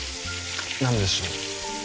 何でしょう？